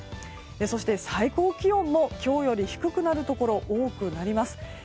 そして最高気温も今日より低くなるところ多くなります。